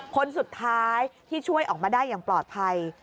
คนสุดท้ายที่ช่วยออกมาได้อย่างปลอดภัย